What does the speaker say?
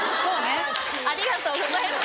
ありがとうございます？